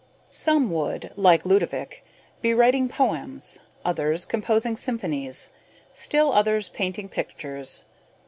Some would, like Ludovick, be writing poems; others composing symphonies; still others painting pictures.